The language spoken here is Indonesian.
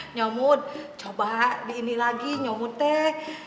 nyamud coba di ini lagi nyamud teh